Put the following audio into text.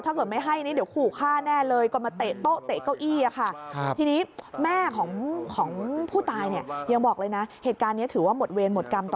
ถ้าเกิดไม่ให้นี่เดี๋ยวขู่ฆ่าแน่เลย